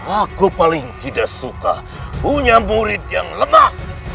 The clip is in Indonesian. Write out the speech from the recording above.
aku paling tidak suka punya murid yang lemah